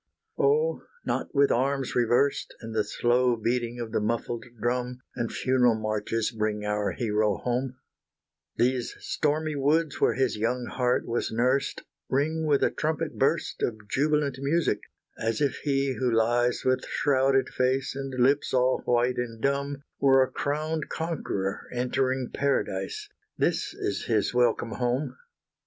O not with arms reversed, And the slow beating of the muffled drum, And funeral marches, bring our hero home These stormy woods where his young heart was nursed Ring with a trumpet burst Of jubilant music, as if he who lies With shrouded face, and lips all white and dumb Were a crowned conqueror entering paradise, This is his welcome home!